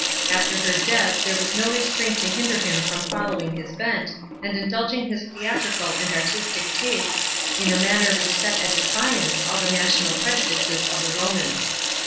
After her death, there was no restraint to hinder him from following his bent, and indulging his theatrical and artistic tastes, in a manner which set at defiance all the national prejudices of the Romans.